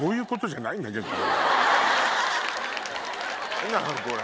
何なんこれ！